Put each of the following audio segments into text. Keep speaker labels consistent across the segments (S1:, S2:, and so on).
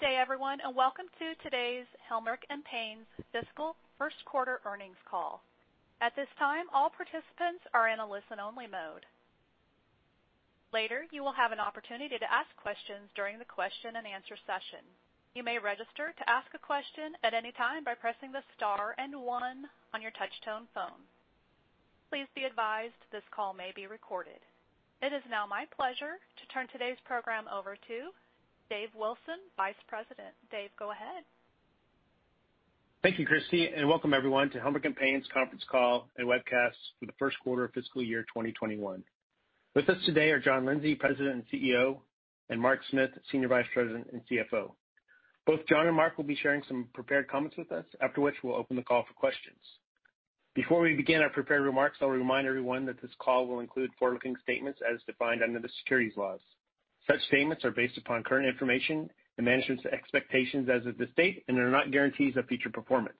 S1: Good day everyone, and welcome to today's Helmerich & Payne's fiscal first quarter earnings call. At this time, all participants are in a listen-only mode. Later, you will have an opportunity to ask questions during the question and answer session. You may register to ask a question at any time by pressing the star and one on your touch-tone phone. Please be advised this call may be recorded. It is now my pleasure to turn today's program over to Dave Wilson, Vice President. Dave, go ahead.
S2: Thank you, Christy, and welcome everyone to Helmerich & Payne's conference call and webcast for the first quarter of fiscal year 2021. With us today are John Lindsay, President and CEO, and Mark Smith, Senior Vice President and CFO. Both John and Mark will be sharing some prepared comments with us, after which we'll open the call for questions. Before we begin our prepared remarks, I'll remind everyone that this call will include forward-looking statements as defined under the securities laws. Such statements are based upon current information, the management's expectations as of this date, and are not guarantees of future performance.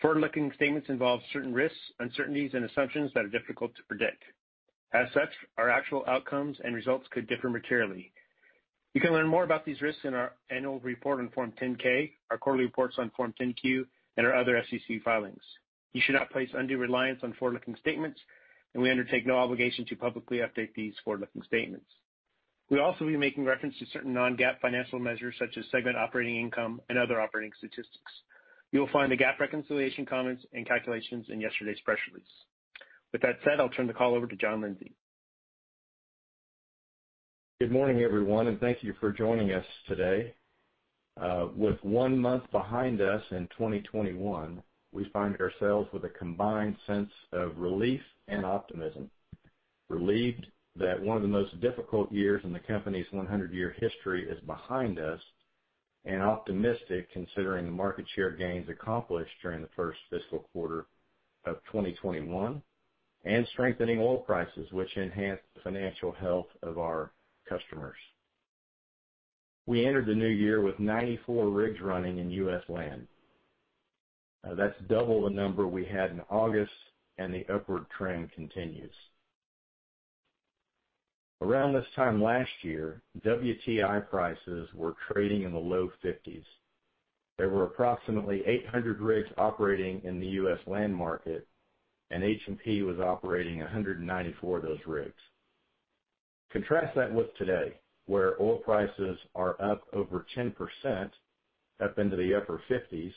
S2: Forward-looking statements involve certain risks, uncertainties, and assumptions that are difficult to predict. Our actual outcomes and results could differ materially. You can learn more about these risks in our annual report on Form 10-K, our quarterly reports on Form 10-Q, and our other SEC filings. You should not place undue reliance on forward-looking statements, and we undertake no obligation to publicly update these forward-looking statements. We'll also be making reference to certain non-GAAP financial measures, such as segment operating income and other operating statistics. You'll find the GAAP reconciliation comments and calculations in yesterday's press release. With that said, I'll turn the call over to John Lindsay.
S3: Good morning, everyone, and thank you for joining us today. With one month behind us in 2021, we find ourselves with a combined sense of relief and optimism. Relieved that one of the most difficult years in the company's 100-year history is behind us, and optimistic considering the market share gains accomplished during the first fiscal quarter of 2021, and strengthening oil prices, which enhance the financial health of our customers. We entered the new year with 94 rigs running in U.S. land. That's double the number we had in August, and the upward trend continues. Around this time last year, WTI prices were trading in the low 50s. There were approximately 800 rigs operating in the U.S. land market, and H&P was operating 194 of those rigs. Contrast that with today, where oil prices are up over 10%, up into the upper 50s,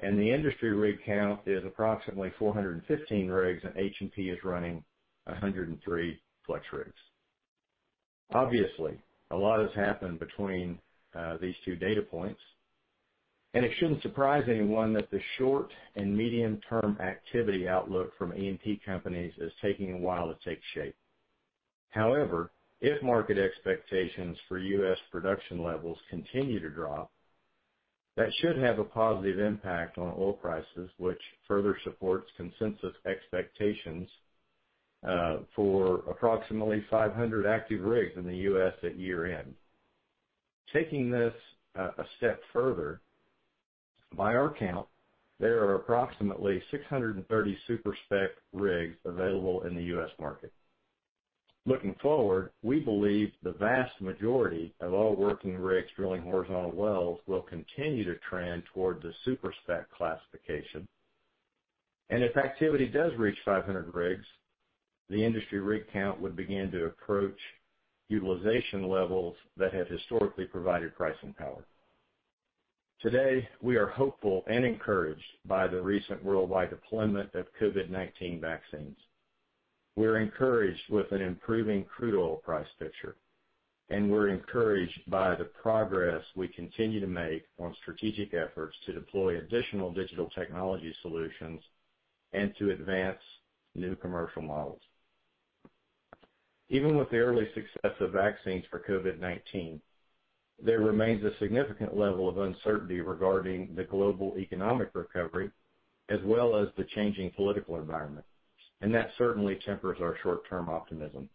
S3: and the industry rig count is approximately 415 rigs, and H&P is running 103 FlexRigs. Obviously, a lot has happened between these two data points, and it shouldn't surprise anyone that the short- and medium-term activity outlook from E&P companies is taking a while to take shape. However, if market expectations for U.S. production levels continue to drop, that should have a positive impact on oil prices, which further supports consensus expectations for approximately 500 active rigs in the U.S. at year-end. Taking this a step further, by our count, there are approximately 630 super-spec rigs available in the U.S. market. Looking forward, we believe the vast majority of all working rigs drilling horizontal wells will continue to trend towards the super-spec classification. If activity does reach 500 rigs, the industry rig count would begin to approach utilization levels that have historically provided pricing power. Today, we are hopeful and encouraged by the recent worldwide deployment of COVID-19 vaccines. We're encouraged with an improving crude oil price picture, and we're encouraged by the progress we continue to make on strategic efforts to deploy additional digital technology solutions and to advance new commercial models. Even with the early success of vaccines for COVID-19, there remains a significant level of uncertainty regarding the global economic recovery, as well as the changing political environment, and that certainly tempers our short-term optimism.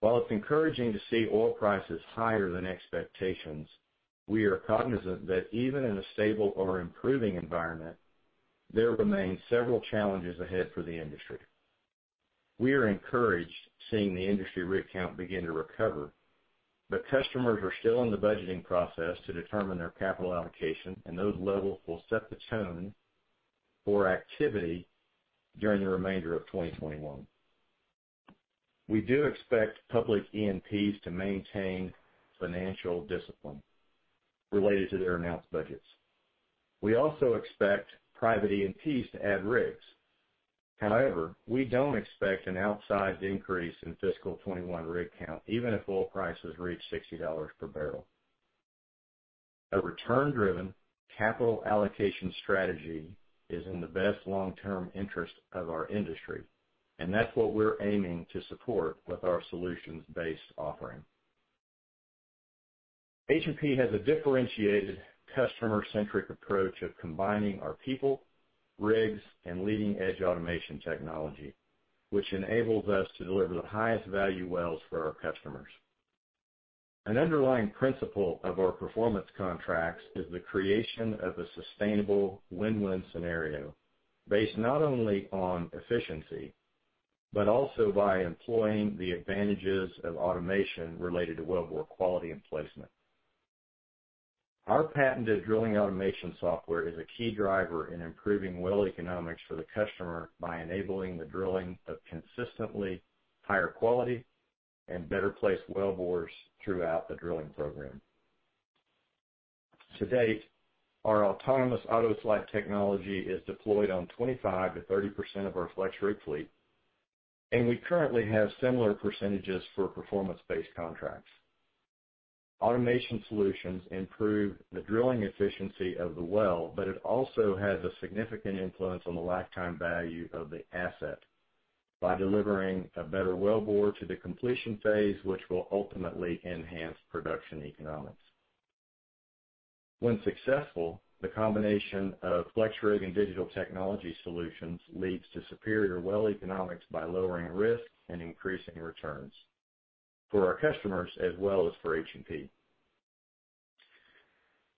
S3: While it's encouraging to see oil prices higher than expectations, we are cognizant that even in a stable or improving environment, there remain several challenges ahead for the industry. We are encouraged seeing the industry rig count begin to recover, but customers are still in the budgeting process to determine their capital allocation, and those levels will set the tone for activity during the remainder of 2021. We do expect public E&Ps to maintain financial discipline related to their announced budgets. We also expect private E&Ps to add rigs. However, we don't expect an outsized increase in fiscal 2021 rig count, even if oil prices reach $60 per barrel. A return-driven capital allocation strategy is in the best long-term interest of our industry, and that's what we're aiming to support with our solutions-based offering. H&P has a differentiated customer-centric approach of combining our people, rigs, and leading-edge automation technology, which enables us to deliver the highest value wells for our customers. An underlying principle of our performance contracts is the creation of a sustainable win-win scenario based not only on efficiency. Also by employing the advantages of automation related to wellbore quality and placement. Our patented drilling automation software is a key driver in improving well economics for the customer by enabling the drilling of consistently higher quality and better placed wellbores throughout the drilling program. To date, our autonomous AutoSlide technology is deployed on 25%-30% of our FlexRig fleet, and we currently have similar percentages for performance-based contracts. Automation solutions improve the drilling efficiency of the well, it also has a significant influence on the lifetime value of the asset by delivering a better wellbore to the completion phase, which will ultimately enhance production economics. When successful, the combination of FlexRig and digital technology solutions leads to superior well economics by lowering risk and increasing returns for our customers as well as for H&P.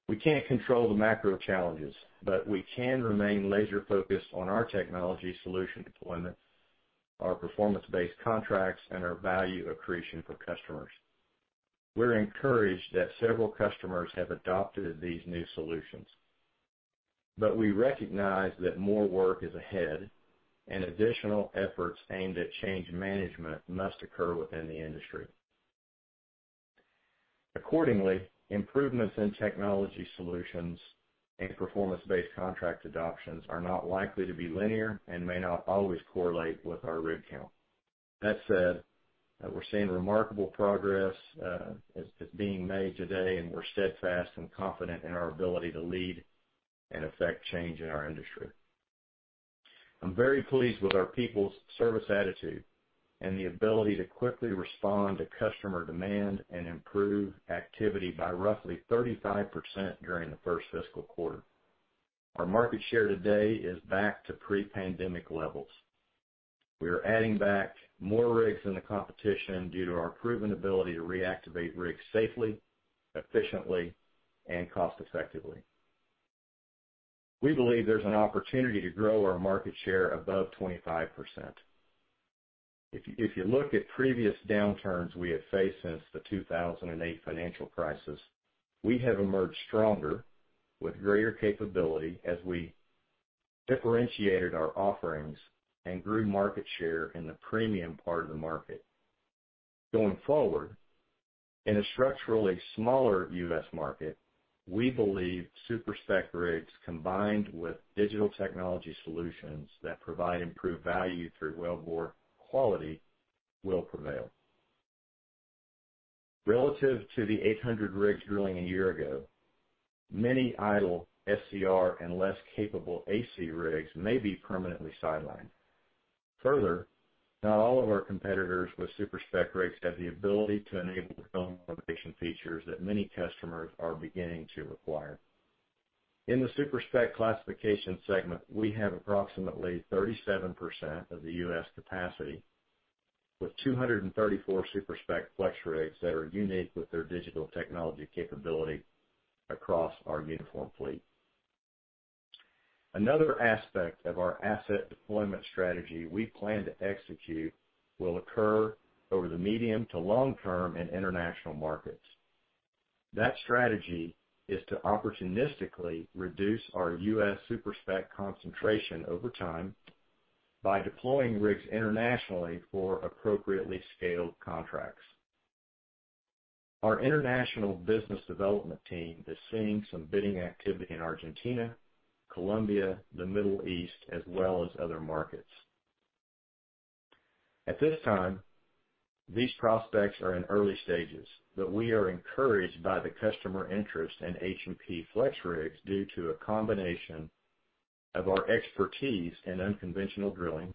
S3: We can't control the macro challenges, but we can remain laser-focused on our technology solution deployment, our performance-based contracts, and our value accretion for customers. We're encouraged that several customers have adopted these new solutions, but we recognize that more work is ahead and additional efforts aimed at change management must occur within the industry. Accordingly, improvements in technology solutions and performance-based contract adoptions are not likely to be linear and may not always correlate with our rig count. That said, we're seeing remarkable progress is being made today, and we're steadfast and confident in our ability to lead and affect change in our industry. I'm very pleased with our people's service attitude and the ability to quickly respond to customer demand and improve activity by roughly 35% during the first fiscal quarter. Our market share today is back to pre-pandemic levels. We are adding back more rigs than the competition due to our proven ability to reactivate rigs safely, efficiently, and cost effectively. We believe there's an opportunity to grow our market share above 25%. If you look at previous downturns we have faced since the 2008 financial crisis, we have emerged stronger with greater capability as we differentiated our offerings and grew market share in the premium part of the market. Going forward, in a structurally smaller U.S. market, we believe super-spec rigs, combined with digital technology solutions that provide improved value through wellbore quality, will prevail. Relative to the 800 rigs drilling a year ago, many idle SCR and less capable AC rigs may be permanently sidelined. Further, not all of our competitors with super-spec rigs have the ability to enable the drill innovation features that many customers are beginning to require. In the super-spec classification segment, we have approximately 37% of the U.S. capacity, with 234 super-spec FlexRigs that are unique with their digital technology capability across our uniform fleet. Another aspect of our asset deployment strategy we plan to execute will occur over the medium to long term in international markets. That strategy is to opportunistically reduce our U.S. super-spec concentration over time by deploying rigs internationally for appropriately scaled contracts. Our international business development team is seeing some bidding activity in Argentina, Colombia, the Middle East, as well as other markets. At this time, these prospects are in early stages, but we are encouraged by the customer interest in H&P FlexRigs due to a combination of our expertise in unconventional drilling,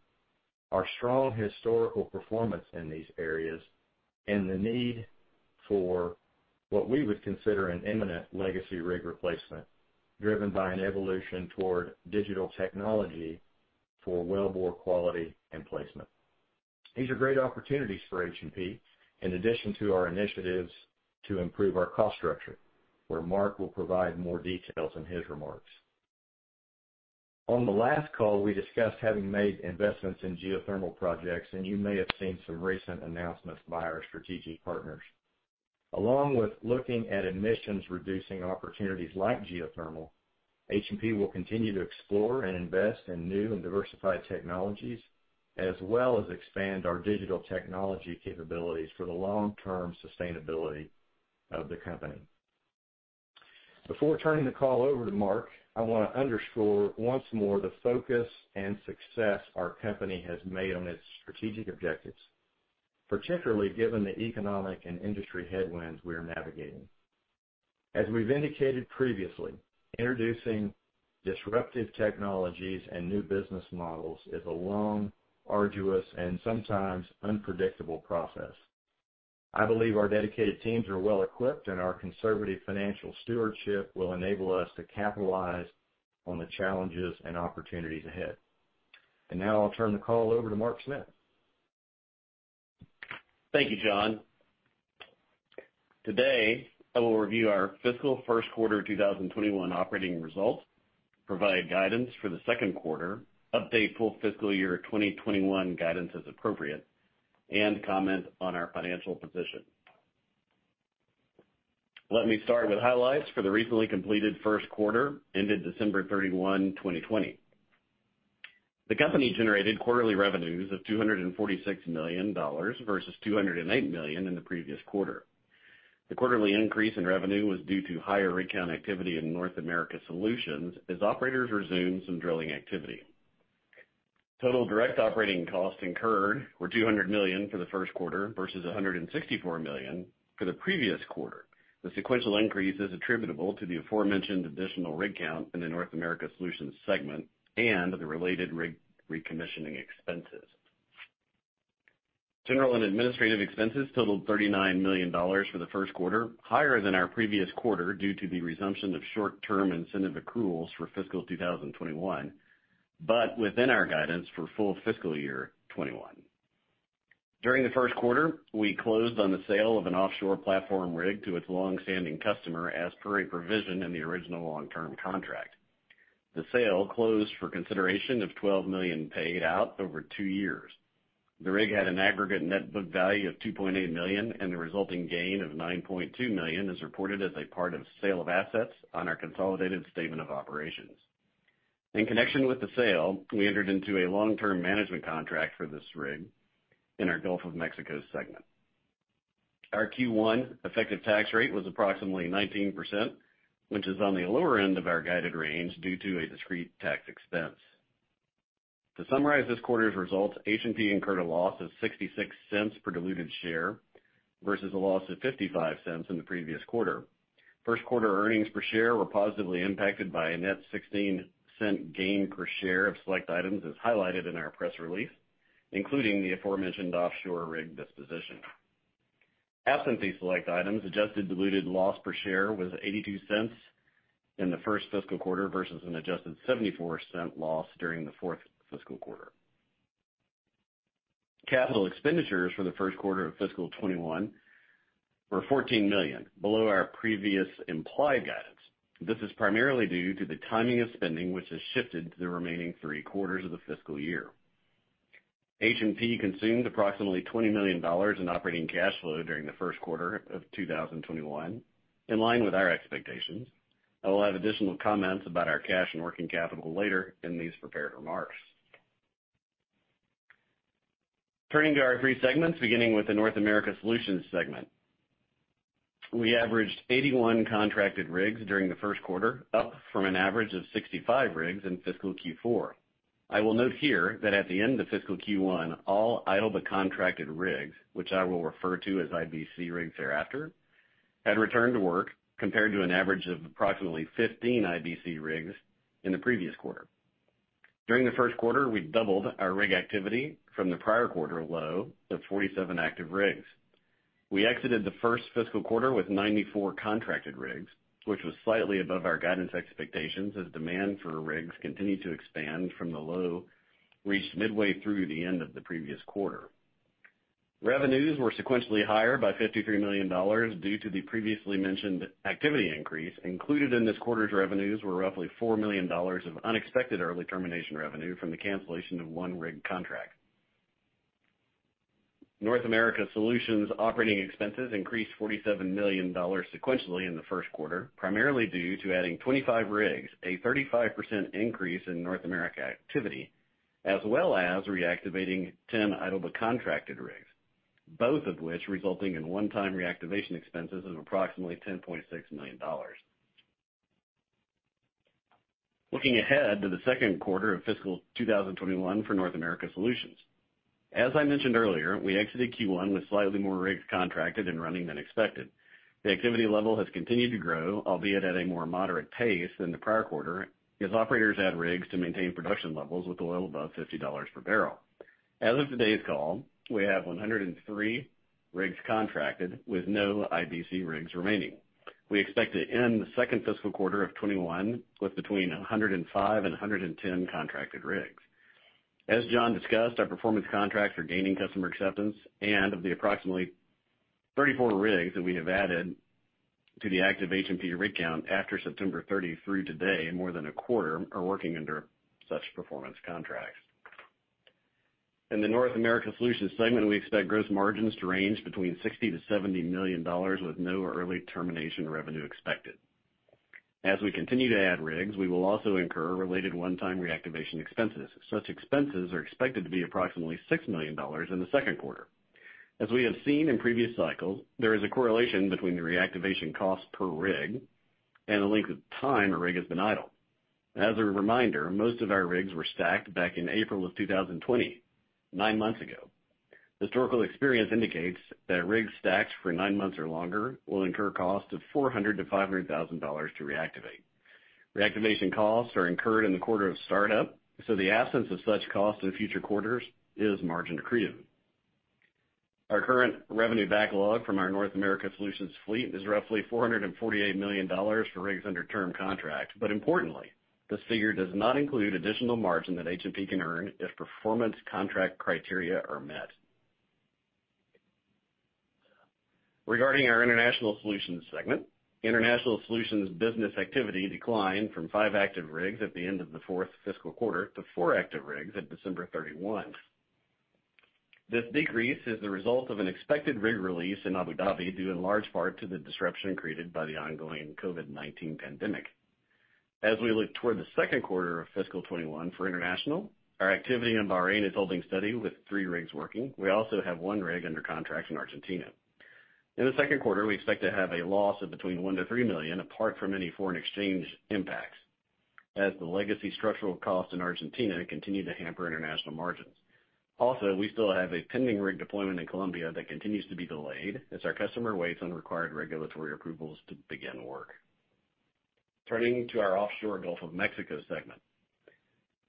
S3: our strong historical performance in these areas, and the need for what we would consider an imminent legacy rig replacement, driven by an evolution toward digital technology for well bore quality and placement. These are great opportunities for H&P, in addition to our initiatives to improve our cost structure, where Mark will provide more details in his remarks. On the last call, we discussed having made investments in geothermal projects, and you may have seen some recent announcements by our strategic partners. Along with looking at emissions-reducing opportunities like geothermal, H&P will continue to explore and invest in new and diversified technologies, as well as expand our digital technology capabilities for the long-term sustainability of the company. Before turning the call over to Mark, I want to underscore once more the focus and success our company has made on its strategic objectives, particularly given the economic and industry headwinds we are navigating. As we've indicated previously, introducing disruptive technologies and new business models is a long, arduous, and sometimes unpredictable process. I believe our dedicated teams are well-equipped, and our conservative financial stewardship will enable us to capitalize on the challenges and opportunities ahead. Now I'll turn the call over to Mark Smith.
S4: Thank you, John. Today, I will review our fiscal first quarter 2021 operating results, provide guidance for the second quarter, update full fiscal year 2021 guidance as appropriate, and comment on our financial position. Let me start with highlights for the recently completed first quarter, ended December 31st, 2020. The company generated quarterly revenues of $246 million versus $208 million in the previous quarter. The quarterly increase in revenue was due to higher rig count activity in North America Solutions as operators resumed some drilling activity. Total direct operating costs incurred were $200 million for the first quarter versus $164 million for the previous quarter. The sequential increase is attributable to the aforementioned additional rig count in the North America Solutions segment and the related rig recommissioning expenses. General and administrative expenses totaled $39 million for the first quarter, higher than our previous quarter due to the resumption of short-term incentive accruals for fiscal 2021, but within our guidance for full fiscal year 2021. During the first quarter, we closed on the sale of an offshore platform rig to its longstanding customer as per a provision in the original long-term contract. The sale closed for consideration of $12 million paid out over two years. The rig had an aggregate net book value of $2.8 million, and the resulting gain of $9.2 million is reported as a part of sale of assets on our consolidated statement of operations. In connection with the sale, we entered into a long-term management contract for this rig in our Gulf of Mexico segment. Our Q1 effective tax rate was approximately 19%, which is on the lower end of our guided range due to a discrete tax expense. To summarize this quarter's results, H&P incurred a loss of $0.66 per diluted share versus a loss of $0.55 in the previous quarter. First quarter earnings per share were positively impacted by a net $0.16 gain per share of select items, as highlighted in our press release, including the aforementioned offshore rig disposition. Absent these select items, adjusted diluted loss per share was $0.82 in the first fiscal quarter versus an adjusted $0.74 loss during the fourth fiscal quarter. Capital expenditures for the first quarter of fiscal 2021 were $14 million, below our previous implied guidance. This is primarily due to the timing of spending, which has shifted to the remaining three quarters of the fiscal year. H&P consumed approximately $20 million in operating cash flow during the first quarter of 2021, in line with our expectations. I will have additional comments about our cash and working capital later in these prepared remarks. Turning to our three segments, beginning with the North America Solutions segment. We averaged 81 contracted rigs during the first quarter, up from an average of 65 rigs in fiscal Q4. I will note here that at the end of fiscal Q1, all idle but contracted rigs, which I will refer to as IBC rigs thereafter, had returned to work compared to an average of approximately 15 IBC rigs in the previous quarter. During the first quarter, we doubled our rig activity from the prior quarter low of 47 active rigs. We exited the first fiscal quarter with 94 contracted rigs, which was slightly above our guidance expectations as demand for rigs continued to expand from the low reached midway through the end of the previous quarter. Revenues were sequentially higher by $53 million due to the previously mentioned activity increase. Included in this quarter's revenues were roughly $4 million of unexpected early termination revenue from the cancellation of one rig contract. North America Solutions operating expenses increased $47 million sequentially in the first quarter, primarily due to adding 25 rigs, a 35% increase in North America activity, as well as reactivating 10 idle but contracted rigs, both of which resulting in one-time reactivation expenses of approximately $10.6 million. Looking ahead to the second quarter of fiscal 2021 for North America Solutions. As I mentioned earlier, we exited Q1 with slightly more rigs contracted and running than expected. The activity level has continued to grow, albeit at a more moderate pace than the prior quarter, as operators add rigs to maintain production levels with oil above $50 per barrel. As of today's call, we have 103 rigs contracted with no IBC rigs remaining. We expect to end the second fiscal quarter of 2021 with between 105 and 110 contracted rigs. As John discussed, our performance contracts are gaining customer acceptance, and of the approximately 34 rigs that we have added to the active H&P rig count after September 30 through today, more than a quarter are working under such performance contracts. In the North America Solutions segment, we expect gross margins to range between $60 million-$70 million with no early termination revenue expected. As we continue to add rigs, we will also incur related one-time reactivation expenses. Such expenses are expected to be approximately $6 million in the second quarter. As we have seen in previous cycles, there is a correlation between the reactivation cost per rig and the length of time a rig has been idle. As a reminder, most of our rigs were stacked back in April of 2020, nine months ago. Historical experience indicates that rigs stacked for nine months or longer will incur costs of $400,000-$500,000 to reactivate. Reactivation costs are incurred in the quarter of startup, so the absence of such costs in future quarters is margin accretive. Our current revenue backlog from our North America Solutions fleet is roughly $448 million for rigs under term contract. Importantly, this figure does not include additional margin that H&P can earn if performance contract criteria are met. Regarding our International Solutions segment, International Solutions business activity declined from five active rigs at the end of the fourth fiscal quarter to four active rigs at December 31. This decrease is the result of an expected rig release in Abu Dhabi, due in large part to the disruption created by the ongoing COVID-19 pandemic. We look toward the second quarter of fiscal 2021 for international, our activity in Bahrain is holding steady with three rigs working. We also have one rig under contract in Argentina. In the second quarter, we expect to have a loss of between $1 million to $3 million, apart from any foreign exchange impacts, as the legacy structural costs in Argentina continue to hamper international margins. We still have a pending rig deployment in Colombia that continues to be delayed as our customer waits on required regulatory approvals to begin work. Turning to our offshore Gulf of Mexico segment.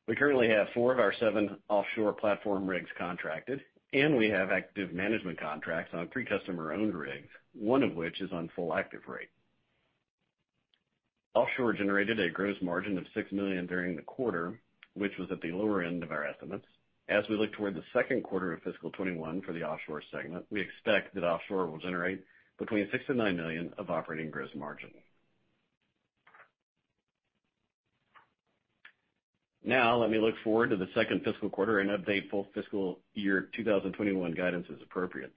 S4: We currently have four of our seven offshore platform rigs contracted, and we have active management contracts on three customer-owned rigs, one of which is on full active rate. Offshore generated a gross margin of $6 million during the quarter, which was at the lower end of our estimates. As we look toward the second quarter of fiscal 2021 for the offshore segment, we expect that offshore will generate between $6 million and $9 million of operating gross margin. Let me look forward to the second fiscal quarter and update full fiscal year 2021 guidance as appropriate.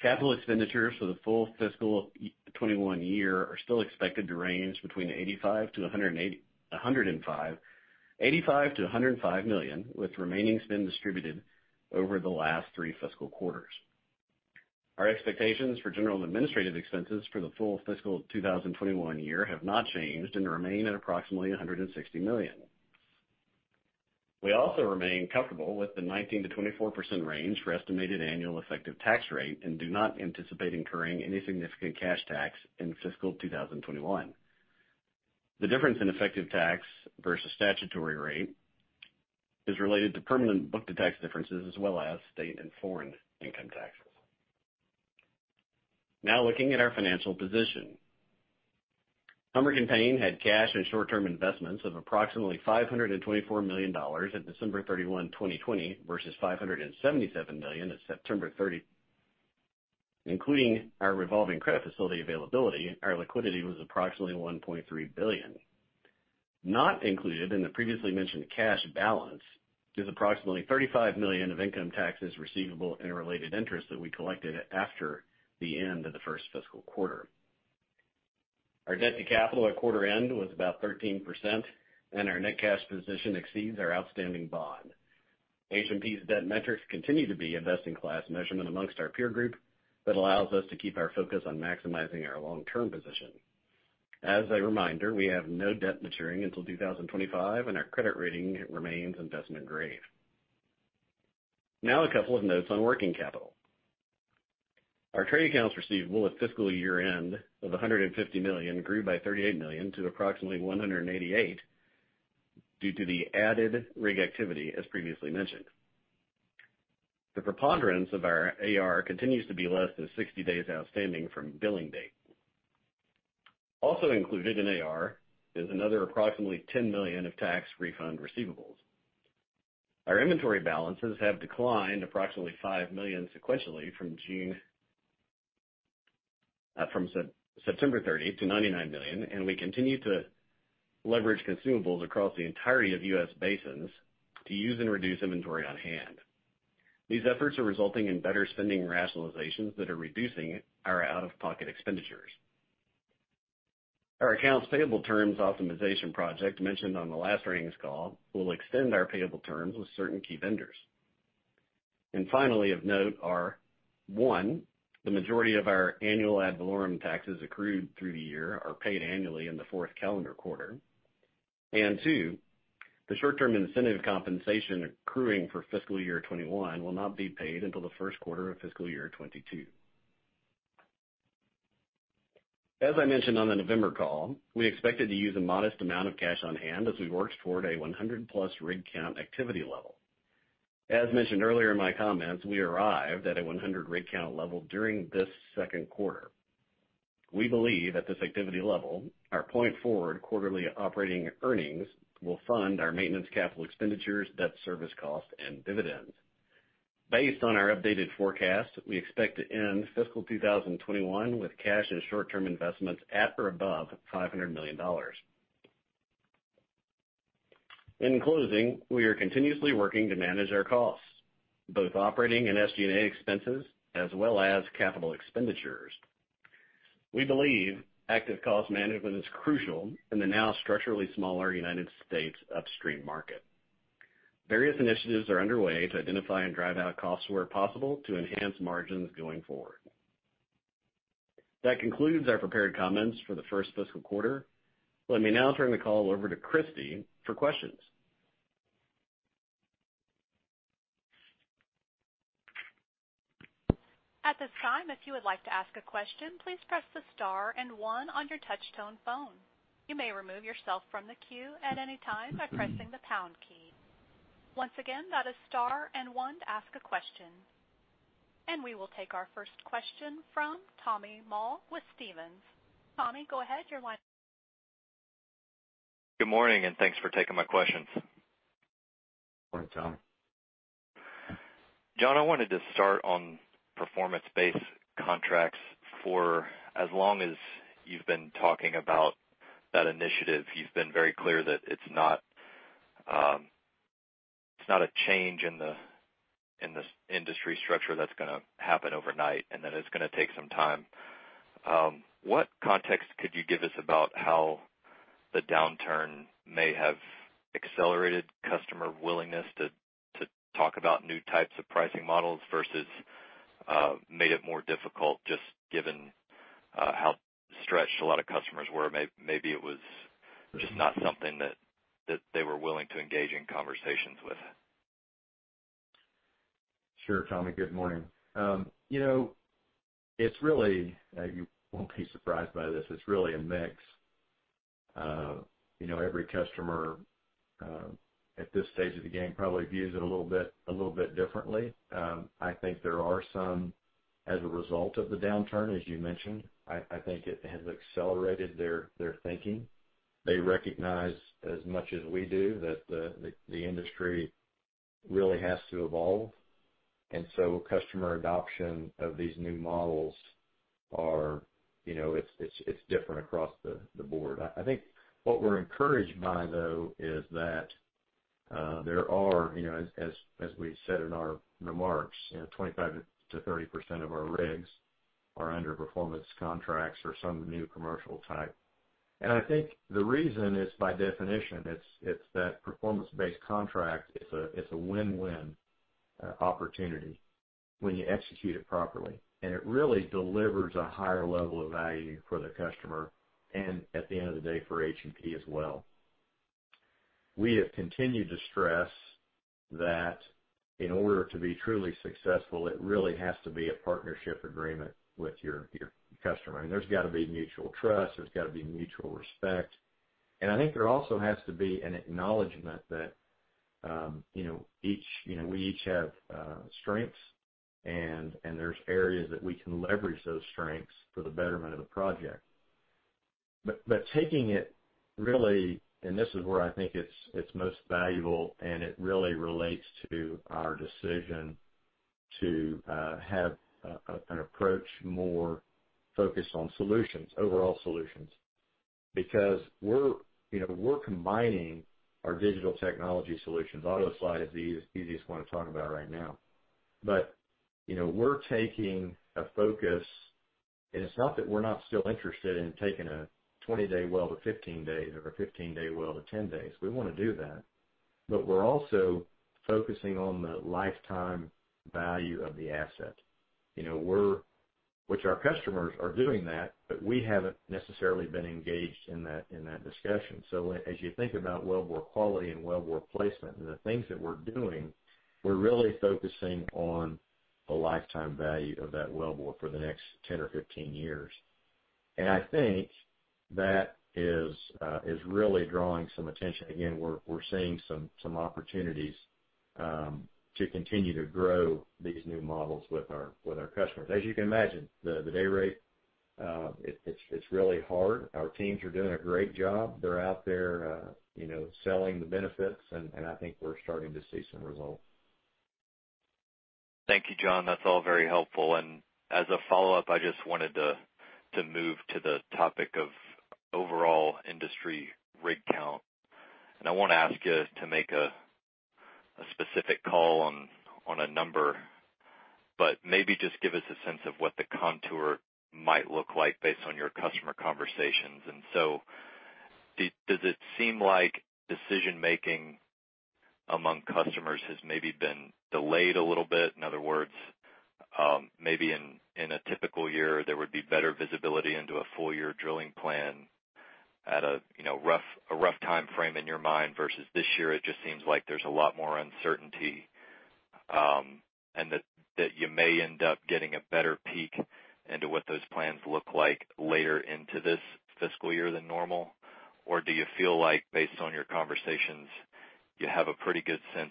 S4: Capital expenditures for the full fiscal 2021 year are still expected to range between $85 million-$105 million, with remaining spend distributed over the last three fiscal quarters. Our expectations for general and administrative expenses for the full fiscal 2021 year have not changed and remain at approximately $160 million. We also remain comfortable with the 19%-24% range for estimated annual effective tax rate and do not anticipate incurring any significant cash tax in fiscal 2021. The difference in effective tax versus statutory rate is related to permanent book-to-tax differences, as well as state and foreign income taxes. Now looking at our financial position. Helmerich & Payne had cash and short-term investments of approximately $524 million at December 31, 2020, versus $577 million at September 30. Including our revolving credit facility availability, our liquidity was approximately $1.3 billion. Not included in the previously mentioned cash balance is approximately $35 million of income taxes receivable and related interest that we collected after the end of the first fiscal quarter. Our debt to capital at quarter end was about 13%, and our net cash position exceeds our outstanding bond. H&P's debt metrics continue to be investment grade measurement amongst our peer group that allows us to keep our focus on maximizing our long-term position. As a reminder, we have no debt maturing until 2025, and our credit rating remains investment grade. Now a couple of notes on working capital. Our trade accounts receivable at fiscal year-end of $150 million grew by $38 million to approximately $188 million, due to the added rig activity, as previously mentioned. The preponderance of our AR continues to be less than 60 days outstanding from billing date. Also included in AR is another approximately $10 million of tax refund receivables. Our inventory balances have declined approximately $5 million sequentially from September 30 to $99 million, and we continue to leverage consumables across the entirety of U.S. basins to use and reduce inventory on hand. These efforts are resulting in better spending rationalizations that are reducing our out-of-pocket expenditures. Our accounts payable terms optimization project mentioned on the last earnings call will extend our payable terms with certain key vendors. Finally, of note are, one, the majority of our annual ad valorem taxes accrued through the year are paid annually in the fourth calendar quarter. Two, the short-term incentive compensation accruing for fiscal year 2021 will not be paid until the first quarter of fiscal year 2022. As I mentioned on the November call, we expected to use a modest amount of cash on hand as we worked toward a 100+ rig count activity level. As mentioned earlier in my comments, we arrived at a 100 rig count level during this second quarter. We believe at this activity level, our point forward quarterly operating earnings will fund our maintenance capital expenditures, debt service cost, and dividends. Based on our updated forecast, we expect to end fiscal 2021 with cash and short-term investments at or above $500 million. In closing, we are continuously working to manage our costs, both operating and SG&A expenses, as well as capital expenditures. We believe active cost management is crucial in the now structurally smaller in United States upstream market. Various initiatives are underway to identify and drive out costs where possible to enhance margins going forward. That concludes our prepared comments for the first fiscal quarter. Let me now turn the call over to Christy for questions.
S1: At this time, if you would like to ask a question, please press the star and one on your touch-tone phone. You may remove yourself from the queue at any time by pressing the pound key. Once again, that is star and one to ask a question. We will take our first question from Tommy Moll with Stephens. Tommy, go ahead. You're one.
S5: Good morning, and thanks for taking my questions.
S3: Morning, Tom.
S5: John, I wanted to start on performance-based contracts. For as long as you've been talking about that initiative, you've been very clear that it's not a change in the industry structure that's going to happen overnight and that it's going to take some time. What context could you give us about how the downturn may have accelerated customer willingness to talk about new types of pricing models versus made it more difficult just given how stretched a lot of customers were? Maybe it was just not something that they were willing to engage in conversations with.
S3: Sure, Tommy. Good morning. You won't be surprised by this. It's really a mix of every customer, at this stage of the game, probably views it a little bit differently. I think there are some, as a result of the downturn, as you mentioned, I think it has accelerated their thinking. They recognize as much as we do that the industry really has to evolve. Customer adoption of these new models, it's different across the board. I think what we're encouraged by, though, is that there are, as we said in our remarks, 25%-30% of our rigs are under performance contracts or some new commercial type. I think the reason is by definition, it's that performance-based contract, it's a win-win opportunity when you execute it properly. It really delivers a higher level of value for the customer, and at the end of the day, for H&P as well. We have continued to stress that in order to be truly successful, it really has to be a partnership agreement with your customer. There's got to be mutual trust, there's got to be mutual respect. I think there also has to be an acknowledgment that we each have strengths and there's areas that we can leverage those strengths for the betterment of the project. Taking it really, and this is where I think it's most valuable, and it really relates to our decision to have an approach more focused on overall solutions. We're combining our digital technology solutions. AutoSlide is the easiest one to talk about right now. We're taking a focus, and it's not that we're not still interested in taking a 20-day well to 15 days or a 15-day well to 10 days. We want to do that. We're also focusing on the lifetime value of the asset. Which our customers are doing that, but we haven't necessarily been engaged in that discussion. As you think about well bore quality and well bore placement and the things that we're doing, we're really focusing on the lifetime value of that well bore for the next 10 or 15 years. I think that is really drawing some attention. Again, we're seeing some opportunities to continue to grow these new models with our customers. You can imagine, the day rate, it's really hard. Our teams are doing a great job. They're out there selling the benefits, and I think we're starting to see some results.
S5: Thank you, John. That's all very helpful. As a follow-up, I just wanted to move to the topic of overall industry rig count. I won't ask you to make a specific call on a number, but maybe just give us a sense of what the contour might look like based on your customer conversations. Does it seem like decision-making among customers has maybe been delayed a little bit? In other words, maybe in a typical year, there would be better visibility into a full-year drilling plan at a rough timeframe in your mind versus this year, it just seems like there's a lot more uncertainty, and that you may end up getting a better peek into what those plans look like later into this fiscal year than normal. Do you feel like, based on your conversations, you have a pretty good sense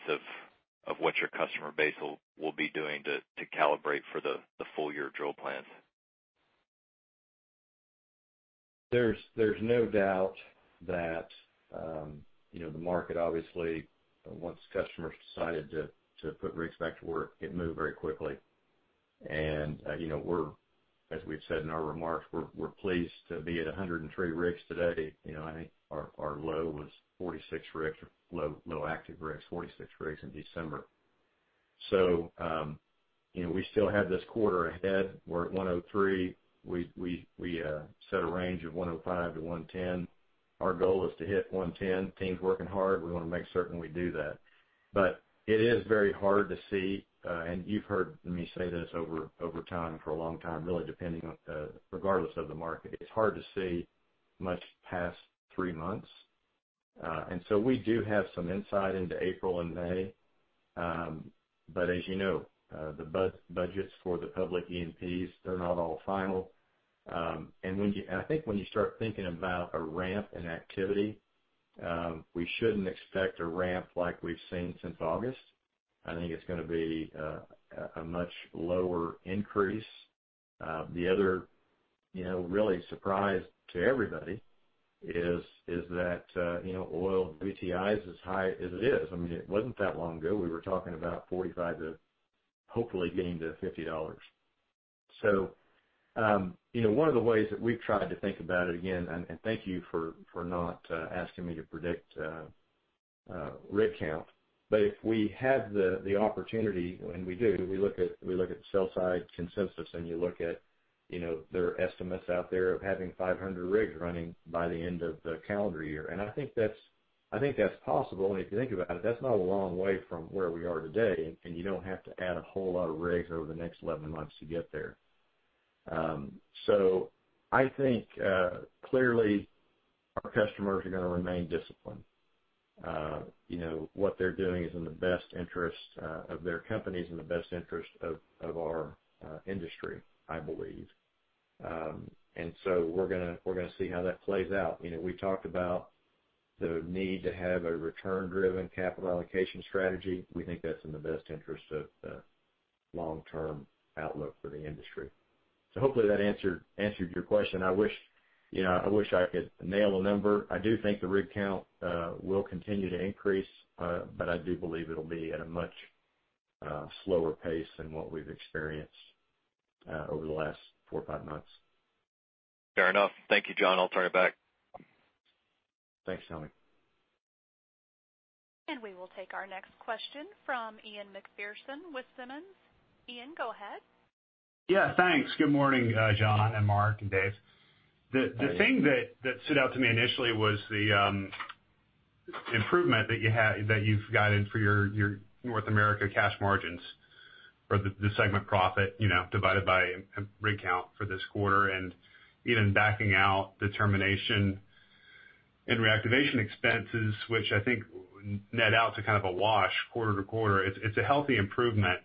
S5: of what your customer base will be doing to calibrate for the full-year drill plans?
S3: There's no doubt that the market, obviously, once customers decided to put rigs back to work, it moved very quickly. As we've said in our remarks, we're pleased to be at 103 rigs today. I think our low was 46 rigs, low active rigs, 46 rigs in December. We still have this quarter ahead. We're at 103. We set a range of 105 to 110. Our goal is to hit 110. Team's working hard. We want to make certain we do that. It is very hard to see, and you've heard me say this over time for a long time, really regardless of the market, it's hard to see much past three months. We do have some insight into April and May. As you know, the budgets for the public E&Ps, they're not all final. I think when you start thinking about a ramp in activity, we shouldn't expect a ramp like we've seen since August. I think it's going to be a much lower increase. The other really surprise to everybody is that oil WTI is as high as it is. It wasn't that long ago, we were talking about $45 to hopefully getting to $50. One of the ways that we've tried to think about it, again, thank you for not asking me to predict rig count, but if we have the opportunity, we do, we look at sell side consensus, you look at their estimates out there of having 500 rigs running by the end of the calendar year. I think that's possible. If you think about it, that's not a long way from where we are today, and you don't have to add a whole lot of rigs over the next 11 months to get there. I think, clearly, our customers are going to remain disciplined. What they're doing is in the best interest of their companies, in the best interest of our industry, I believe. We're going to see how that plays out. We talked about the need to have a return-driven capital allocation strategy. We think that's in the best interest of the long-term outlook for the industry. Hopefully that answered your question. I wish I could nail a number. I do think the rig count will continue to increase. I do believe it'll be at a much slower pace than what we've experienced over the last four or five months.
S5: Fair enough. Thank you, John. I'll turn it back.
S3: Thanks, Tommy.
S1: We will take our next question from Ian Macpherson with Simmons. Ian, go ahead.
S6: Yeah, thanks. Good morning, John and Mark and Dave. The thing that stood out to me initially was the improvement that you've guided for your North America cash margins for the segment profit, divided by rig count for this quarter. Even backing out the termination and reactivation expenses, which I think net out to kind of a wash quarter-to-quarter, it's a healthy improvement.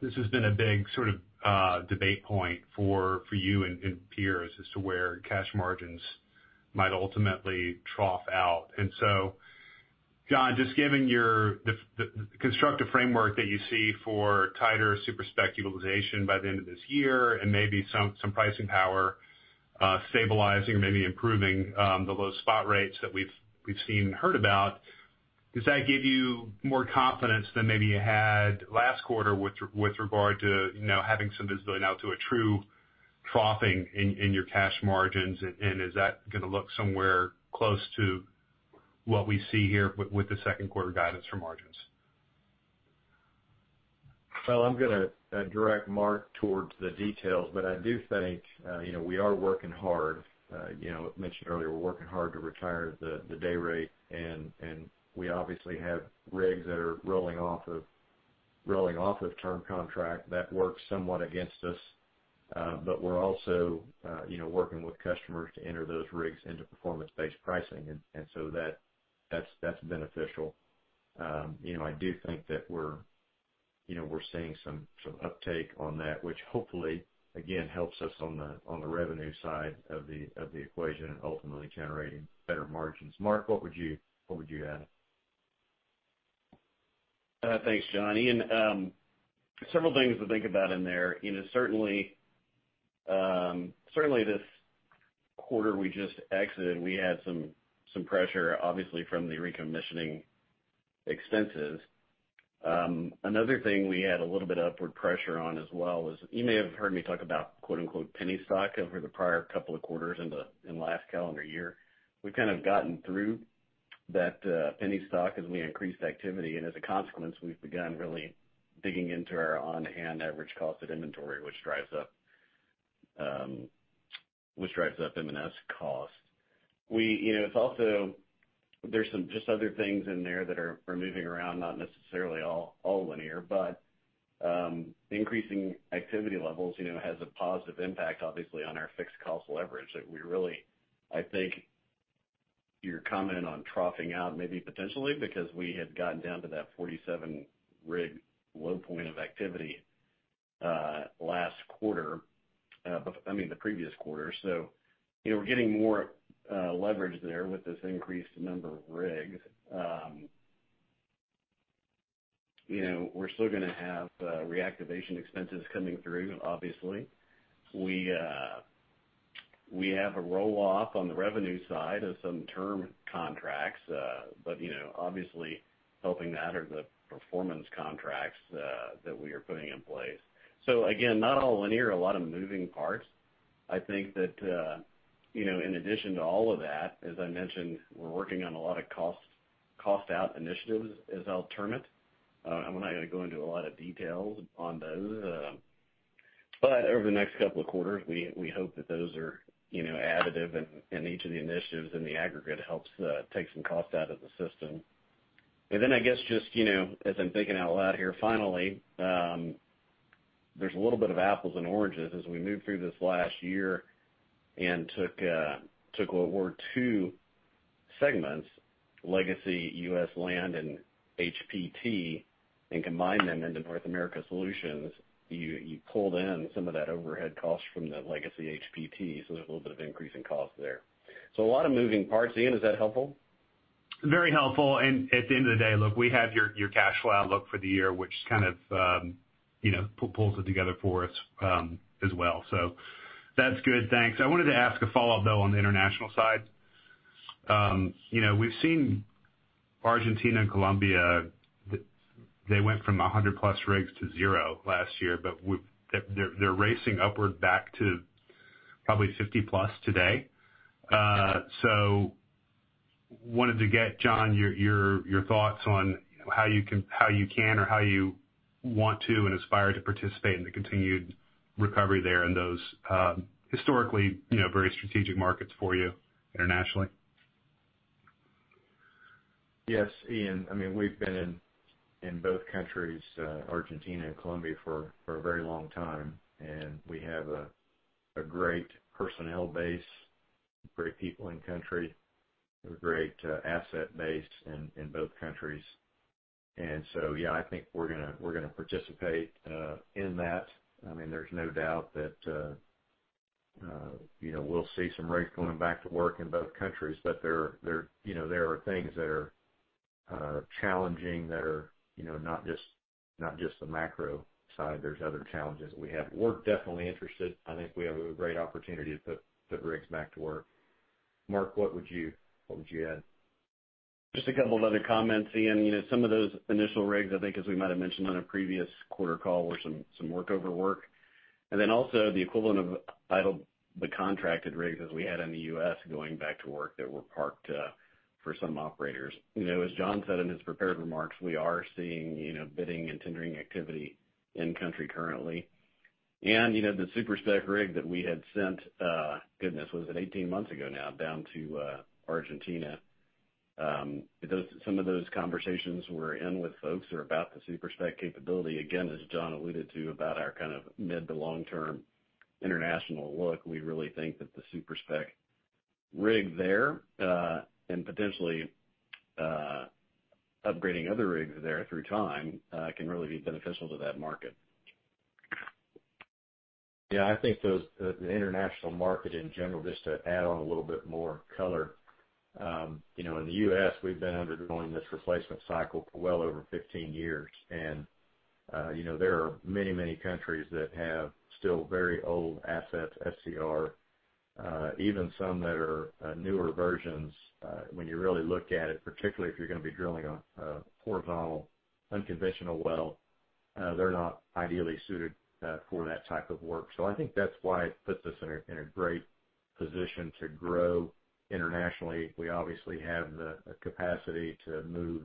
S6: This has been a big sort of debate point for you and peers as to where cash margins might ultimately trough out. John, just given the constructive framework that you see for tighter super-spec utilization by the end of this year and maybe some pricing power stabilizing or maybe improving the low spot rates that we've seen and heard about, does that give you more confidence than maybe you had last quarter with regard to having some visibility now to a true troughing in your cash margins, and is that going to look somewhere close to what we see here with the second quarter guidance for margins?
S3: I'm going to direct Mark towards the details, but I do think we are working hard. I mentioned earlier, we're working hard to retire the day rate, and we obviously have rigs that are rolling off of term contract. That works somewhat against us. We're also working with customers to enter those rigs into performance-based pricing. That's beneficial. I do think that we're seeing some uptake on that, which hopefully, again, helps us on the revenue side of the equation and ultimately generating better margins. Mark, what would you add?
S4: Thanks, John. Ian, several things to think about in there. Certainly, this quarter we just exited, we had some pressure, obviously, from the recommissioning expenses. Another thing we had a little bit of upward pressure on as well was, you may have heard me talk about "penny stock" over the prior couple of quarters in the last calendar year. We've kind of gotten through that penny stock as we increased activity, and as a consequence, we've begun really digging into our on-hand average cost of inventory, which drives up M&S cost. There's some just other things in there that are moving around, not necessarily all linear, but increasing activity levels has a positive impact, obviously, on our fixed cost leverage. I think your comment on troughing out maybe potentially because we had gotten down to that 47 rig low point of activity last quarter. I mean, the previous quarter. We're getting more leverage there with this increased number of rigs. We're still going to have reactivation expenses coming through, obviously. We have a roll-off on the revenue side of some term contracts. Obviously helping that are the performance contracts that we are putting in place. Again, not all linear, a lot of moving parts. I think that in addition to all of that, as I mentioned, we're working on a lot of cost-out initiatives, as I'll term it. I'm not going to go into a lot of details on those. Over the next couple of quarters, we hope that those are additive in each of the initiatives and the aggregate helps take some cost out of the system. I guess just as I'm thinking out loud here, finally, there's a little bit of apples and oranges as we moved through this last year and took what were two segments, legacy U.S. land and HPT, and combined them into North America Solutions. You pulled in some of that overhead cost from the legacy HPT, so there's a little bit of increase in cost there. A lot of moving parts. Ian, is that helpful?
S6: Very helpful. At the end of the day, look, we have your cash flow outlook for the year, which kind of pulls it together for us as well. That's good. Thanks. I wanted to ask a follow-up, though, on the international side. We've seen Argentina and Colombia, they went from 100+ rigs to zero last year, but they're racing upward back to probably 50+ today. Wanted to get, John, your thoughts on how you can, or how you want to and aspire to participate in the continued recovery there in those historically very strategic markets for you internationally.
S3: Yes, Ian. We've been in both countries, Argentina and Colombia, for a very long time, and we have a great personnel base, great people in country, a great asset base in both countries. Yeah, I think we're going to participate in that. There's no doubt that we'll see some rigs going back to work in both countries. There are things that are challenging that are not just the macro side. There's other challenges that we have. We're definitely interested. I think we have a great opportunity to put rigs back to work. Mark, what would you add?
S4: Just a couple of other comments, Ian. Some of those initial rigs, I think, as we might have mentioned on a previous quarter call, were some workover work. Also the equivalent of idle, the contracted rigs as we had in the U.S. going back to work that were parked for some operators. As John said in his prepared remarks, we are seeing bidding and tendering activity in country currently. The super-spec rig that we had sent, goodness, was it 18 months ago now, down to Argentina. Some of those conversations we're in with folks are about the super-spec capability. Again, as John alluded to, about our kind of mid- to long-term international look, we really think that the super-spec rig there, and potentially upgrading other rigs there through time, can really be beneficial to that market.
S3: Yeah, I think the international market in general, just to add on a little bit more color. In the U.S., we've been undergoing this replacement cycle for well over 15 years, and there are many countries that have still very old assets, SCR. Even some that are newer versions, when you really look at it, particularly if you're going to be drilling a horizontal unconventional well, they're not ideally suited for that type of work. I think that's why it puts us in a great position to grow internationally. We obviously have the capacity to move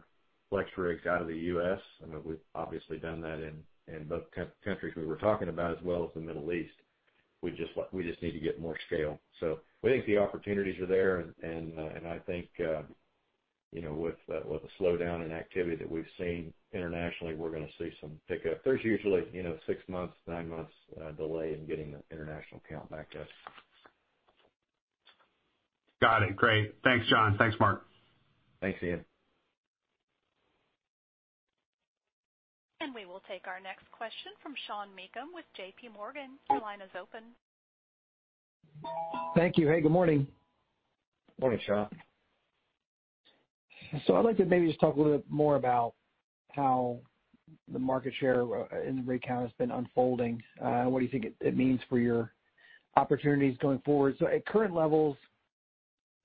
S3: FlexRig rigs out of the U.S. We've obviously done that in both countries we were talking about as well as the Middle East. We just need to get more scale. We think the opportunities are there, and I think, with the slowdown in activity that we've seen internationally, we're going to see some pickup. There's usually six months, nine months delay in getting the international count back up.
S6: Got it. Great. Thanks, John. Thanks, Mark.
S4: Thanks, Ian.
S1: We will take our next question from Sean Meakim with JPMorgan. Your line is open.
S7: Thank you. Hey, good morning.
S3: Morning, Sean.
S7: I'd like to maybe just talk a little bit more about how the market share in the rig count has been unfolding. What do you think it means for your opportunities going forward? At current levels,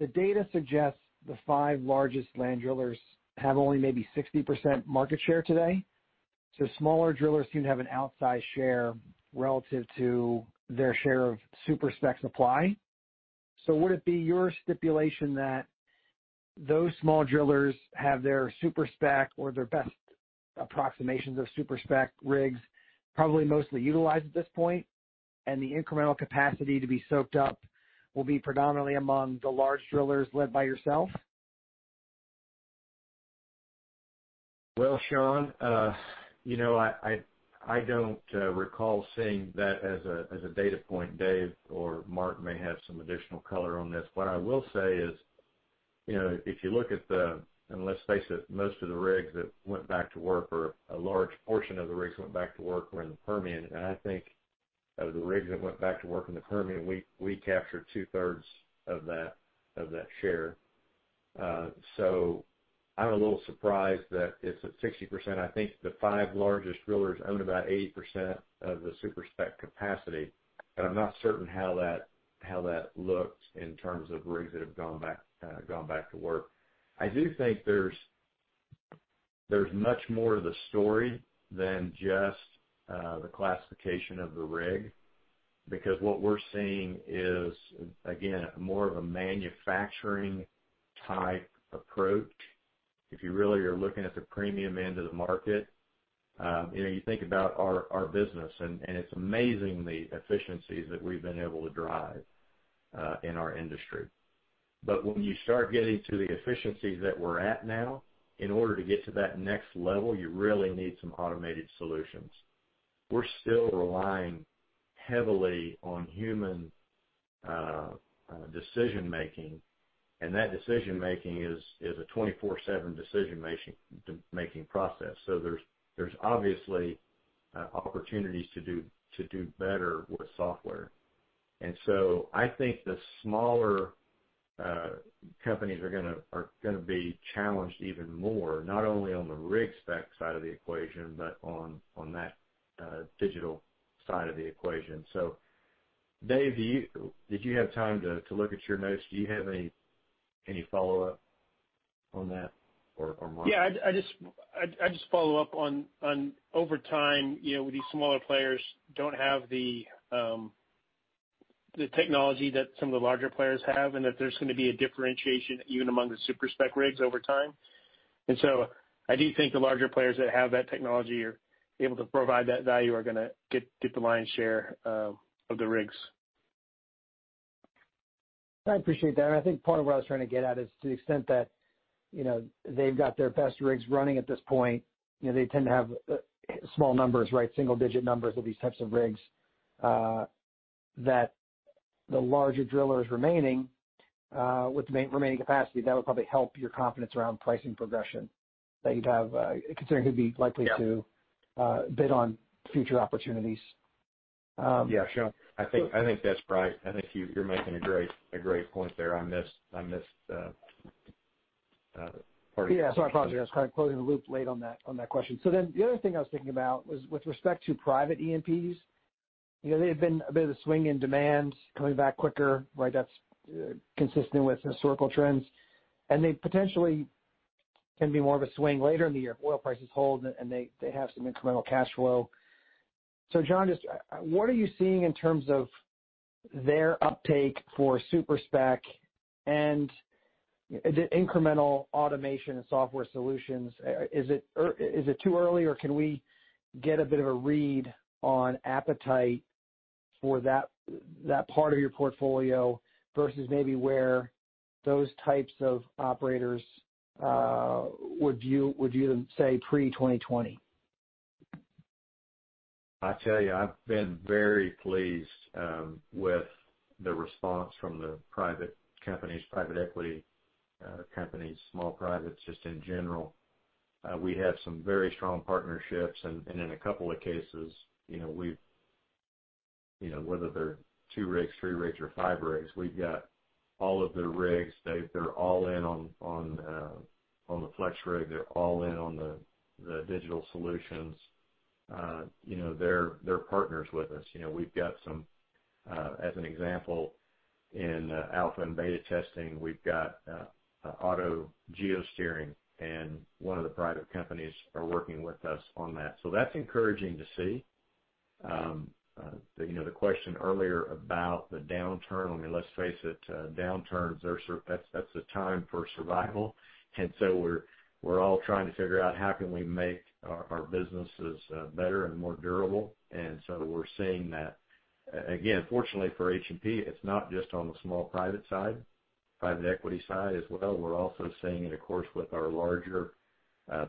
S7: the data suggests the five largest land drillers have only maybe 60% market share today. Smaller drillers seem to have an outsized share relative to their share of super-spec supply. Would it be your stipulation that those small drillers have their super-spec or their best approximations of super-spec rigs probably mostly utilized at this point, and the incremental capacity to be soaked up will be predominantly among the large drillers led by yourself?
S3: Sean, I don't recall seeing that as a data point. Dave or Mark may have some additional color on this. What I will say is, if you look at the, let's face it, most of the rigs that went back to work, or a large portion of the rigs that went back to work, were in the Permian. I think of the rigs that went back to work in the Permian, we captured 2/3 of that share. I'm a little surprised that it's at 60%. I think the five largest drillers own about 80% of the super-spec capacity, but I'm not certain how that looks in terms of rigs that have gone back to work. I do think there's much more to the story than just the classification of the rig, because what we're seeing is, again, more of a manufacturing-type approach. If you really are looking at the premium end of the market, you think about our business, and it's amazing the efficiencies that we've been able to drive in our industry. When you start getting to the efficiencies that we're at now, in order to get to that next level, you really need some automated solutions. We're still relying heavily on human decision-making, and that decision-making is a 24/7 decision-making process. There's obviously opportunities to do better with software. I think the smaller companies are going to be challenged even more, not only on the rig spec side of the equation, but on that digital side of the equation. Dave, did you have time to look at your notes? Do you have any follow-up on that or Mark?
S2: Yeah, I'd just follow up on, over time, these smaller players don't have the technology that some of the larger players have, that there's going to be a differentiation even among the super-spec rigs over time. I do think the larger players that have that technology are able to provide that value are going to get the lion's share of the rigs.
S7: I appreciate that. I think part of what I was trying to get at is to the extent that they've got their best rigs running at this point, they tend to have small numbers. Single-digit numbers of these types of rigs, that the larger drillers remaining with remaining capacity, that would probably help your confidence around pricing progression that you'd have considering who'd be likely.
S2: Yeah
S7: to bid on future opportunities.
S3: Yeah, sure. I think that's bright. I think you're making a great point there.
S7: I apologize, I was kind of closing the loop late on that question. The other thing I was thinking about was with respect to private E&Ps. There have been a bit of a swing in demand coming back quicker. That's consistent with historical trends, and they potentially can be more of a swing later in the year if oil prices hold and they have some incremental cash flow. John, just what are you seeing in terms of their uptake for super-spec and the incremental automation and software solutions? Is it too early, or can we get a bit of a read on appetite for that part of your portfolio versus maybe where those types of operators would view them, say, pre 2020?
S3: I tell you, I've been very pleased with the response from the private equity companies, small privates, just in general. We have some very strong partnerships, and in a couple of cases, whether they're two rigs, three rigs, or five rigs, we've got all of their rigs. They're all in on the FlexRig. They're all in on the digital solutions. They're partners with us. As an example, in alpha and beta testing, we've got autogeosteering, and one of the private companies are working with us on that. That's encouraging to see. The question earlier about the downturn, I mean, let's face it, downturns, that's the time for survival. We're all trying to figure out how can we make our businesses better and more durable. We're seeing that. Again, fortunately for H&P, it's not just on the small private side. Private equity side as well. We're also seeing it, of course, with our larger,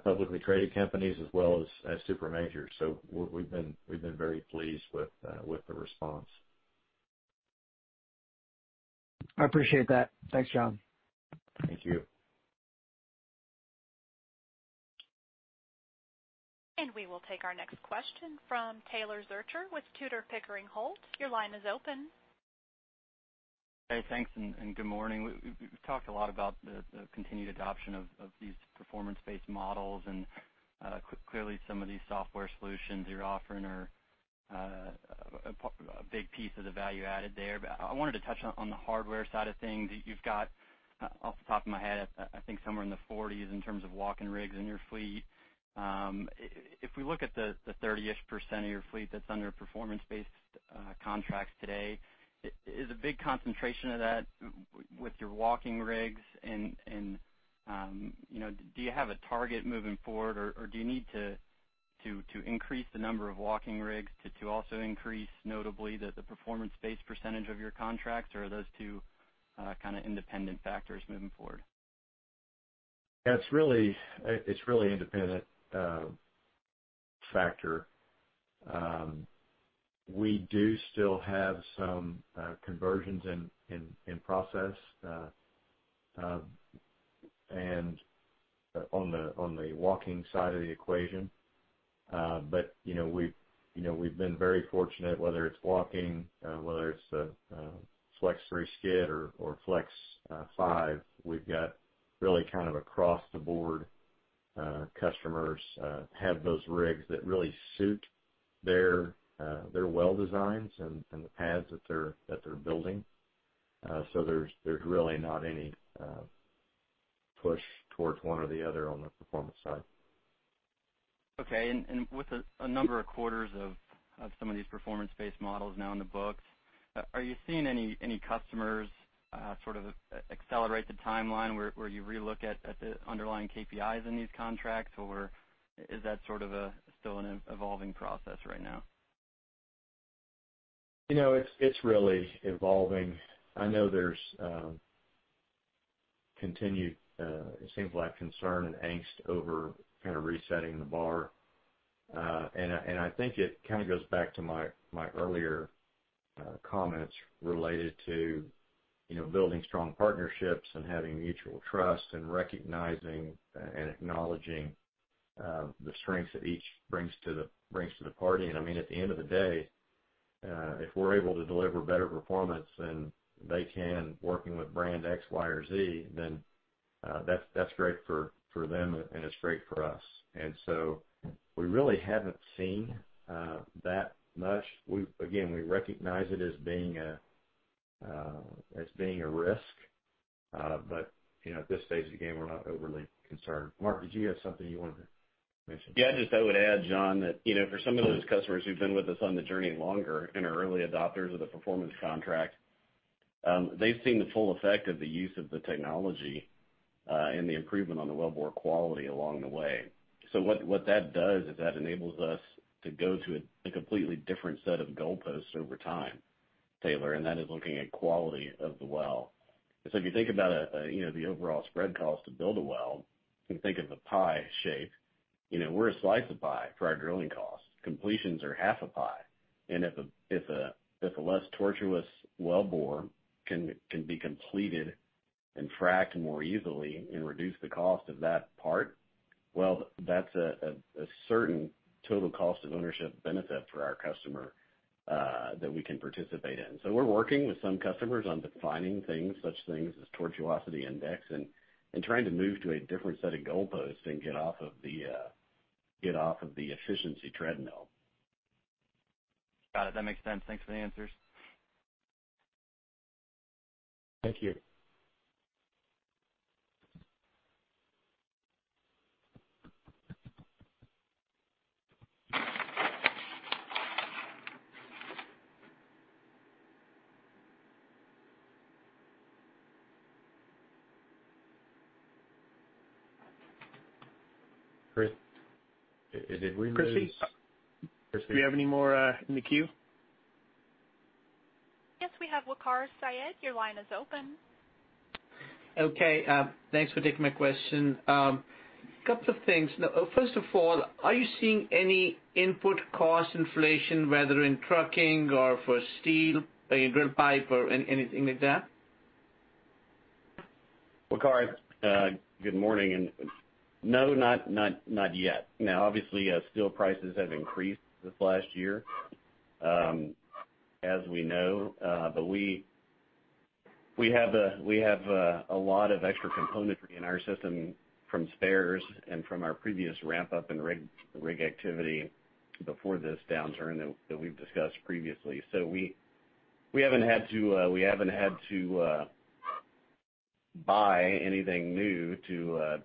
S3: publicly traded companies as well as supermajors. We've been very pleased with the response.
S7: I appreciate that. Thanks, John.
S3: Thank you.
S1: We will take our next question from Taylor Zurcher with Tudor, Pickering, Holt. Your line is open.
S8: Hey, thanks, and good morning. We've talked a lot about the continued adoption of these performance-based models, and clearly some of these software solutions you're offering are a big piece of the value added there. I wanted to touch on the hardware side of things. You've got, off the top of my head, I think somewhere in the 40s in terms of walking rigs in your fleet. If we look at the 30-ish% of your fleet that's under performance-based contracts today, is a big concentration of that with your walking rigs? Do you have a target moving forward, or do you need to increase the number of walking rigs to also increase notably the performance-based percentage of your contracts? Are those two kind of independent factors moving forward?
S3: It's really independent factor. We do still have some conversions in process and on the walking side of the equation. We've been very fortunate, whether it's walking, whether it's Flex3 skid or Flex5, we've got really kind of across the board customers have those rigs that really suit their well designs and the pads that they're building. There's really not any push towards one or the other on the performance side.
S8: Okay. With a number of quarters of some of these performance-based models now in the books, are you seeing any customers sort of accelerate the timeline where you re-look at the underlying KPIs in these contracts? Or is that sort of still an evolving process right now?
S3: It's really evolving. I know there's continued, it seems like, concern and angst over kind of resetting the bar. I think it kind of goes back to my earlier comments related to building strong partnerships and having mutual trust, and recognizing and acknowledging the strengths that each brings to the party. At the end of the day, if we're able to deliver better performance than they can working with brand X, Y, or Z, then that's great for them and it's great for us. We really haven't seen that much. Again, we recognize it as being a risk. At this stage of the game, we're not overly concerned. Mark, did you have something you wanted to mention?
S4: Yeah, just I would add, John, that for some of those customers who've been with us on the journey longer and are early adopters of the performance contract, they've seen the full effect of the use of the technology, and the improvement on the wellbore quality along the way. What that does is that enables us to go to a completely different set of goalposts over time, Taylor, and that is looking at quality of the well. If you think about the overall spread cost to build a well, if you think of a pie shape, we're a slice of pie for our drilling costs. Completions are half a pie. If a less tortuous well bore can be completed and fracked more easily and reduce the cost of that part, well, that's a certain total cost of ownership benefit for our customer, that we can participate in. We're working with some customers on defining things, such things as tortuosity index, and trying to move to a different set of goalposts and get off of the efficiency treadmill.
S8: Got it. That makes sense. Thanks for the answers.
S3: Thank you. Christy, did we?
S4: Chrissy?
S3: Chrissy.
S4: Do we have any more in the queue?
S1: Yes. We have Waqar Syed. Your line is open.
S9: Okay. Thanks for taking my question. Couple of things. First of all, are you seeing any input cost inflation, whether in trucking or for steel, like a drill pipe or anything like that?
S4: Waqar, good morning. No, not yet. Now, obviously, steel prices have increased this last year, as we know. We have a lot of extra componentry in our system from spares and from our previous ramp up in rig activity before this downturn that we've discussed previously. We haven't had to buy anything new to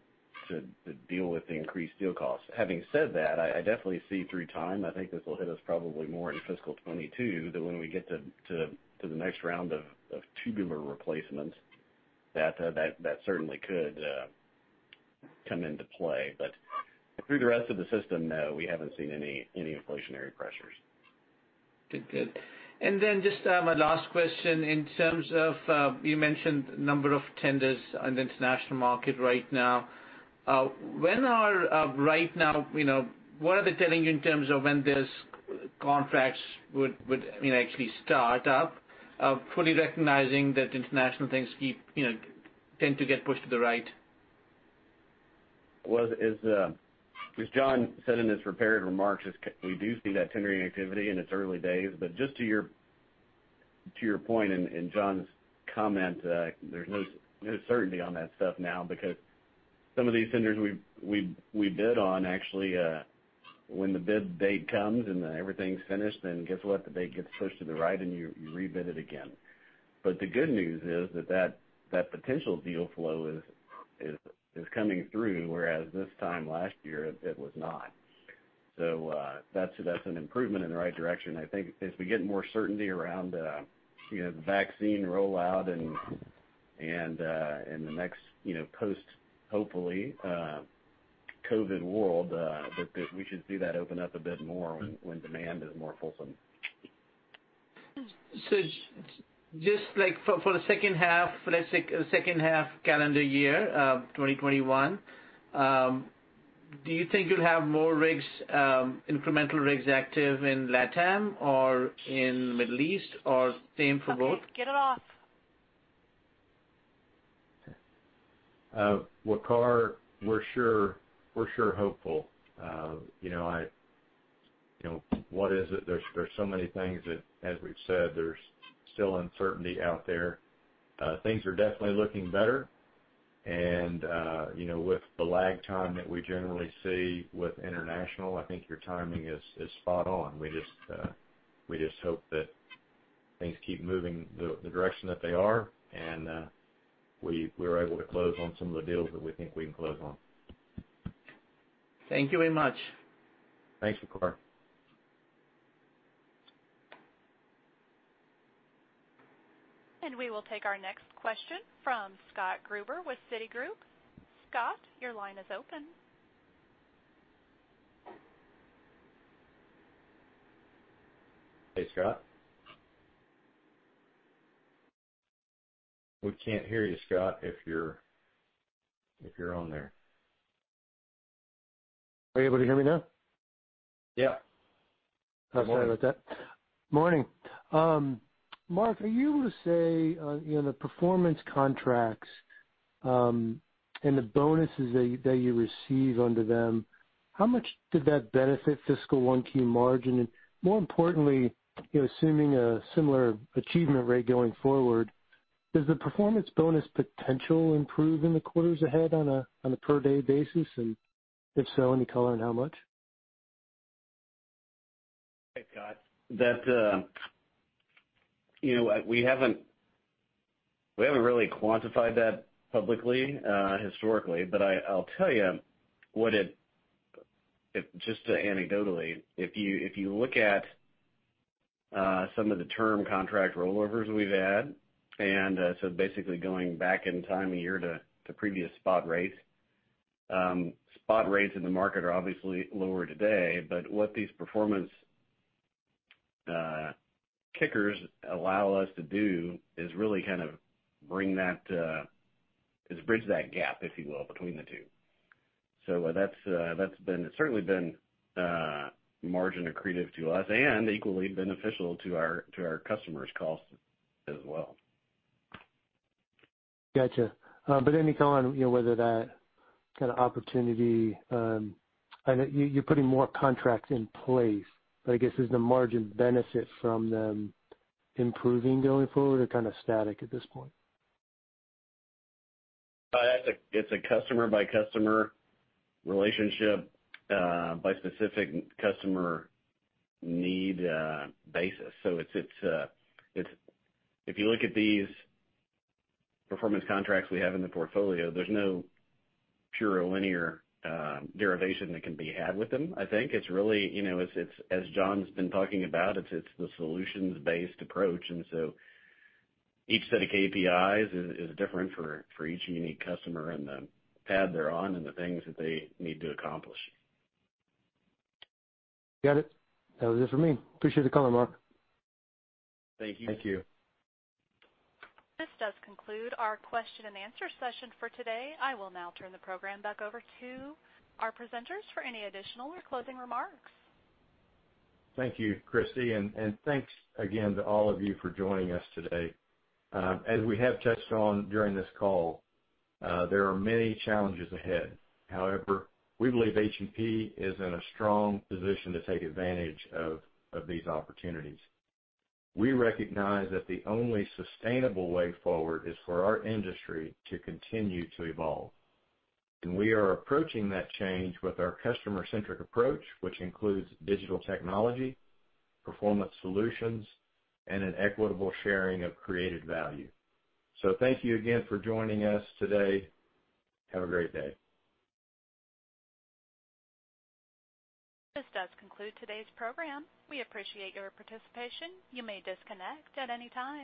S4: deal with the increased steel costs. Having said that, I definitely see through time, I think this will hit us probably more in fiscal 2022 that when we get to the next round of tubular replacements, that certainly could come into play. Through the rest of the system, no, we haven't seen any inflationary pressures.
S9: Good. Just my last question, you mentioned a number of tenders on the international market right now. What are they telling you in terms of when these contracts would actually start up, fully recognizing that international things tend to get pushed to the right?
S4: Well, as John said in his prepared remarks, is we do see that tendering activity in its early days. Just to your point and John's comment, there's no certainty on that stuff now because some of these tenders we bid on actually, when the bid date comes and everything's finished, then guess what? The date gets pushed to the right and you rebid it again. The good news is that potential deal flow is coming through, whereas this time last year, it was not. That's an improvement in the right direction. I think as we get more certainty around the vaccine rollout and the next post, hopefully, COVID world, that we should see that open up a bit more when demand is more fulsome.
S9: Just for the second half calendar year of 2021, do you think you'll have more rigs, incremental rigs active in LATAM or in Middle East, or same for both?
S3: Waqar, we're sure hopeful. There's so many things that, as we've said, there's still uncertainty out there. Things are definitely looking better. With the lag time that we generally see with international, I think your timing is spot on. We just hope that things keep moving the direction that they are and we are able to close on some of the deals that we think we can close on.
S9: Thank you very much.
S3: Thanks, Waqar.
S1: We will take our next question from Scott Gruber with Citigroup. Scott, your line is open.
S3: Hey, Scott. We can't hear you, Scott, if you're on there.
S10: Are you able to hear me now?
S3: Yeah.
S10: Oh, sorry about that. Morning. Mark, are you able to say, the performance contracts, and the bonuses that you receive under them, how much did that benefit fiscal 1Q margin? More importantly, assuming a similar achievement rate going forward, does the performance bonus potential improve in the quarters ahead on a per-day basis? If so, any color on how much?
S4: Hey, Scott. We haven't really quantified that publicly, historically. I'll tell you what just anecdotally, if you look at some of the term contract rollovers we've had, basically going back in time a year to previous spot rates. Spot rates in the market are obviously lower today, but what these performance kickers allow us to do is really kind of bridge that gap, if you will, between the two. That's certainly been margin accretive to us and equally beneficial to our customers' costs as well.
S10: Got you. Any color on whether that kind of opportunity, I know you're putting more contracts in place, but I guess, is the margin benefit from them improving going forward or kind of static at this point?
S4: It's a customer-by-customer relationship by specific customer need basis. If you look at these performance contracts we have in the portfolio, there's no pure linear derivation that can be had with them, I think. It's really, as John's been talking about, it's the solutions-based approach, and so each set of KPIs is different for each unique customer and the pad they're on and the things that they need to accomplish.
S10: Got it. That was it for me. Appreciate the color, Mark.
S4: Thank you.
S1: This does conclude our question and answer session for today. I will now turn the program back over to our presenters for any additional or closing remarks.
S3: Thank you, Christy, and thanks again to all of you for joining us today. As we have touched on during this call, there are many challenges ahead. However, we believe H&P is in a strong position to take advantage of these opportunities. We recognize that the only sustainable way forward is for our industry to continue to evolve. We are approaching that change with our customer-centric approach, which includes digital technology, performance solutions, and an equitable sharing of created value. Thank you again for joining us today. Have a great day.
S1: This does conclude today's program. We appreciate your participation. You may disconnect at any time.